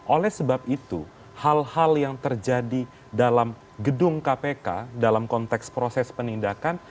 oleh sebab itu hal hal yang terjadi dalam gedung kpk dalam konteks proses penindakan